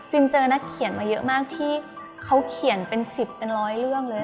เจอนักเขียนมาเยอะมากที่เขาเขียนเป็น๑๐เป็นร้อยเรื่องเลย